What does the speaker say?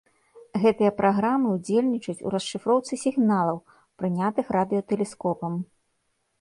Гэтыя праграмы ўдзельнічаюць у расшыфроўцы сігналаў, прынятых радыётэлескопам.